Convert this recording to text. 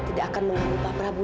tidak akan mengganggu pak prabu